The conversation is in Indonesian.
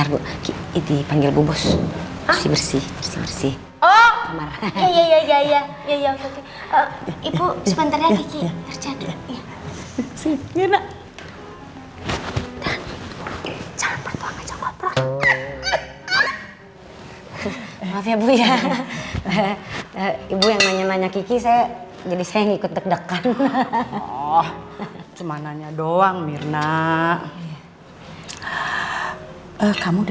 ibu yang banyak banyak kiki saya jadi saya ikut deg degan cuma nanya doang mirna kamu